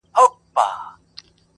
قافلې پر لويو لارو لوټېدلې،